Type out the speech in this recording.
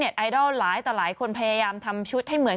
สุดท้ายอันนี้คือ